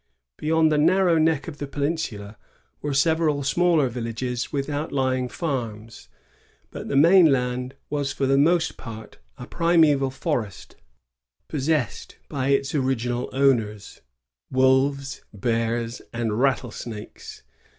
Beyond the narrow neck of the peninsula were several smaller villages with outlying farms; but the mainland was for the most part a primeval forest, possessed by its original owners, — wolves, bears, and rattlesnakes.